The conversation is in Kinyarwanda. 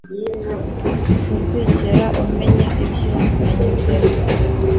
Ntuzigera umenya ibyo nanyuzemo